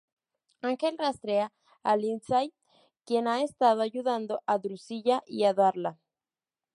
Ángel rastrea a Lindsay, quien ha estado ayudando a Drusilla y a Darla.